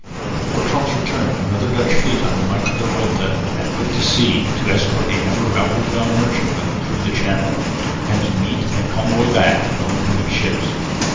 Before Tromp's return another Dutch fleet under Michael de Ruyter had put to sea to escort a number of outward bound merchantmen through the Channel, and to meet and convoy back the home coming ships.